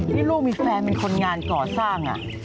ลูกมีแฟนเป็นคนงานก่อสร้าง